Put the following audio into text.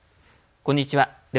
こんにちは。